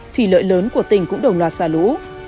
thủy lợi lớn của tỉnh cũng đồng loạt xả lũ